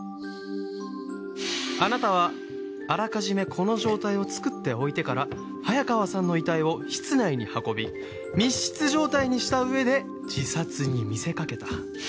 あなたはあらかじめこの状態を作っておいてから早川さんの遺体を室内に運び密室状態にしたうえで自殺に見せかけた。